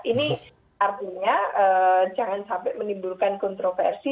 ini artinya jangan sampai menimbulkan kontroversi